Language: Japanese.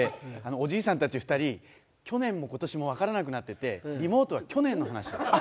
おじいさんたち２人、去年もことしも分からなくなってて、リモートは去年の話。